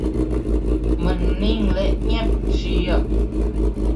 มันนิ่งและเงียบเชียบ